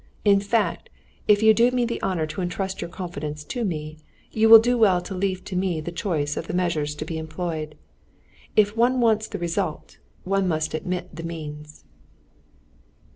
In fact, if you do me the honor to intrust your confidence to me, you will do well to leave me the choice of the measures to be employed. If one wants the result, one must admit the means."